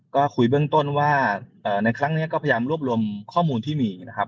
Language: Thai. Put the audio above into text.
ก็คุยเบื้องต้นว่าในครั้งนี้ก็พยายามรวบรวมข้อมูลที่มีนะครับ